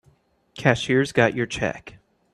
Cashier's got your check.